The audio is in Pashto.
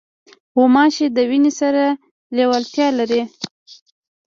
غوماشې د وینې سره لیوالتیا لري.